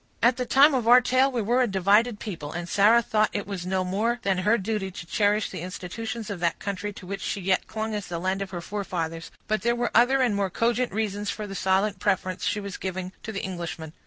At the time of our tale, we were a divided people, and Sarah thought it was no more than her duty to cherish the institutions of that country to which she yet clung as the land of her forefathers; but there were other and more cogent reasons for the silent preference she was giving to the Englishman.